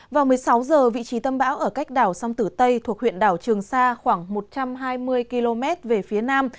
vào một mươi sáu h vị trí tâm bão ở cách đảo sông tử tây thuộc huyện đảo trường sa khoảng một trăm hai mươi km về phía nam